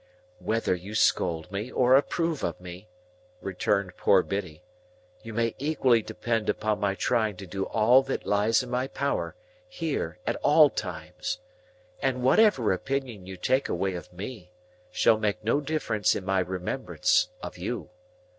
"Whether you scold me or approve of me," returned poor Biddy, "you may equally depend upon my trying to do all that lies in my power, here, at all times. And whatever opinion you take away of me, shall make no difference in my remembrance of you.